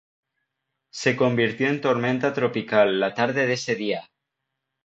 Se convirtió en tormenta tropical la tarde de ese día.